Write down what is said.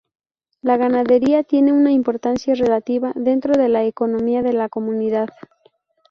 La ganadería tiene una importancia relativa dentro de la economía de la Comunidad.